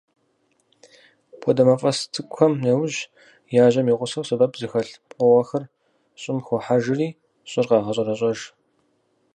Апхуэдэ мафӏэс цӏыкӏухэм нэужь, яжьэм и гъусэу, сэбэп зыхэлъ пкъыгъуэхэр щӏым хохьэжри, щӏыр къагъэщӏэрэщӏэж.